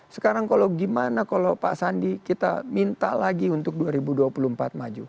sekarang kalau gimana kalau pak sandi kita minta lagi untuk dua ribu dua puluh empat maju